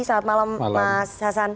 selamat malam mas hasan